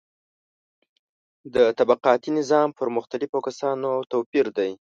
د طبقاتي نظام پر مختلفو کسانو توپیر دی.